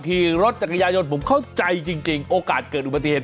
ขี่รถจักรยายนผมเข้าใจจริงโอกาสเกิดอุบัติเหตุ